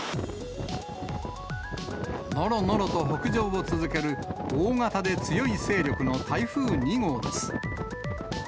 のろのろと北上を続ける大型で強い勢力の台風２号です。